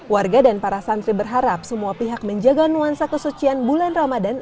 warga dan para santri berharap semua pihak menjaga nuansa kesucian bulan ramadan